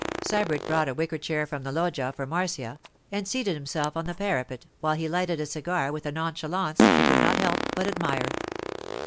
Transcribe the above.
Sybert brought a wicker chair from the loggia for Marcia, and seated himself on the parapet while he lighted a cigar with a nonchalance she could not help but admire.